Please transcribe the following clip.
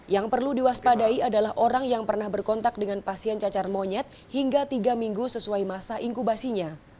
yang perlu diwaspadai adalah orang yang pernah berkontak dengan pasien cacar monyet hingga tiga minggu sesuai masa inkubasinya